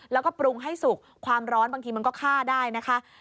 แล้วก็ปรุงให้สุกความร้อนบางทีมันก็ฆ่าได้นะคะ